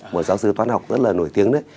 một giáo sư toán học rất là nổi tiếng